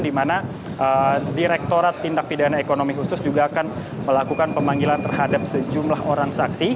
di mana direktorat tindak pidana ekonomi khusus juga akan melakukan pemanggilan terhadap sejumlah orang saksi